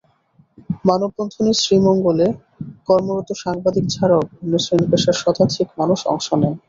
মানববন্ধনে শ্রীমঙ্গলে কর্মরত সাংবাদিক ছাড়াও বিভিন্ন শ্রেণী-পেশার শতাধিক মানুষ অংশ নেন।